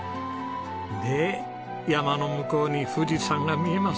で山の向こうに富士山が見えます。